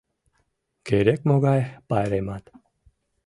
Керек-могай пайремат